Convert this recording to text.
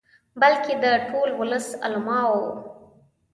بلکې د ټول ولس، علماؤ.